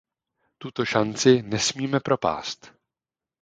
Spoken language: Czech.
Tuto šanci nesmíme propást.